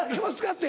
って。